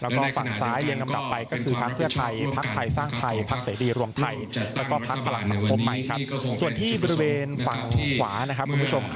ของมันเป็นการรู้ทุกอย่างนะครับ